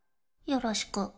よろしく。